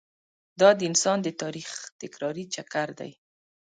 دا د انسان د تاریخ تکراري چکر دی.